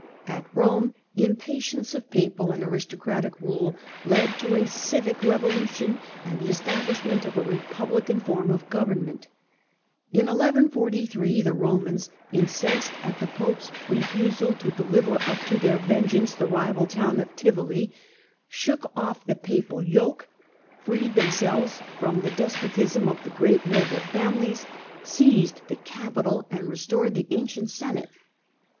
Rome At Eome, impatience of papal and aristocratic rule led to a civic revolution, and the establishment of a republican form of government. In 1143 the Eomans, incensed at the Pope's refusal to deliver up to their vengeance the rival town of Tivoli, shook off the papal yoke, freed them selves from the despotism of the great noble families. ^fei UNDER LOTHAIR II. AND CONRAD III. 133 ized the Capitol and restored the ancient Senate.